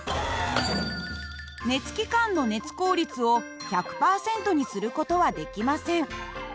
熱機関の熱効率を１００％にする事はできません。